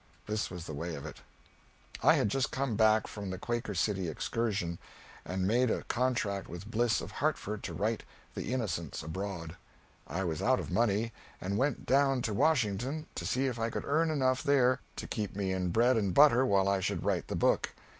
This was the way of it: I had just come back from the Quaker City Excursion, and had made a contract with Bliss of Hartford to write "The Innocents Abroad." I was out of money, and I went down to Washington to see if I could earn enough there to keep me in bread and butter while I should write the book.